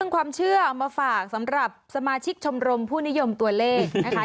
ความเชื่อเอามาฝากสำหรับสมาชิกชมรมผู้นิยมตัวเลขนะคะ